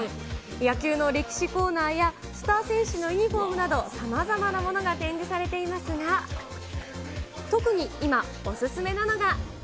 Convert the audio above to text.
野球の歴史コーナーや、スター選手のユニホームなど、さまざまなものが展示されていますが、特に今、お勧めなのが。